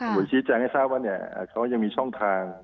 สมมติว่าก็ยังมีช่องทาง